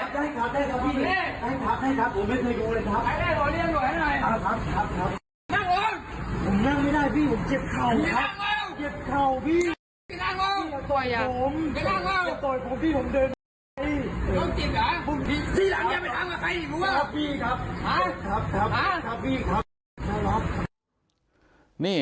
ต้องจิบหรอท่านมันทำกับใครอีก